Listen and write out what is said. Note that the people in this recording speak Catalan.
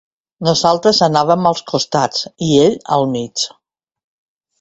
Nosaltres anàvem als costats, i ell, al mig.